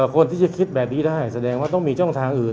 คนที่จะคิดแบบนี้ได้แสดงว่าต้องมีช่องทางอื่น